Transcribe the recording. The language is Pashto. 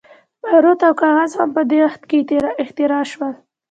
باروت او کاغذ هم په دې وخت کې اختراع شول.